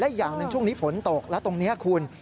อีกอย่างหนึ่งช่วงนี้ฝนตกแล้วตรงนี้คุณ